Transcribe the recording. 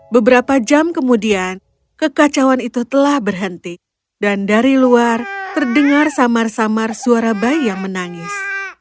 beberapa jam kemudian kekacauan itu telah berhenti dan dari luar terdengar samar samar suara bayi yang menangis